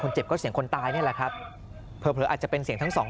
เจ็บก็เสียงคนตายนี่แหละครับเผลออาจจะเป็นเสียงทั้งสอง